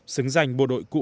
xứng danh bộ đội cụ hồ